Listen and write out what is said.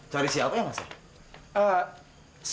cari siapa ya mas